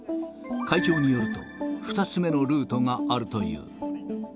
会長によると、２つ目のルートがあるという。